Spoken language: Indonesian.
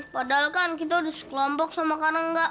padahal kan kita udah sekelompok sama karangga